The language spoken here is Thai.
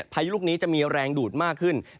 พายุลูกนี้จะมีแรงดูดมากขึ้น